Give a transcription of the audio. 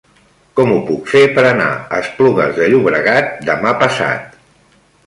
Com ho puc fer per anar a Esplugues de Llobregat demà passat?